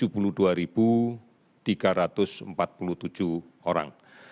sehingga akumulasi totalnya menjadi tujuh puluh dua tiga ratus empat puluh tujuh orang